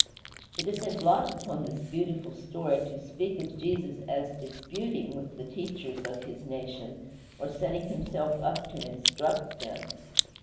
It is a blot upon this beautiful story to speak of Jesus as "disputing" with the teachers of his nation, or setting himself up to instruct them.